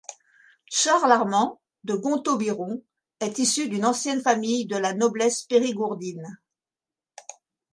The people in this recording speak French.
Charles-Armand de Gontaut-Biron, est issu d'une ancienne famille de la noblesse périgourdine.